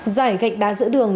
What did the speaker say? giải gạch đá giữa đường